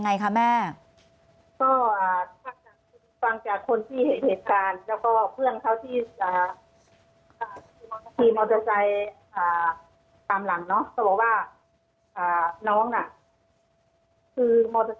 อันดับที่สุดท้าย